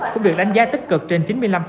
cũng được đánh giá tích cực trên chín mươi năm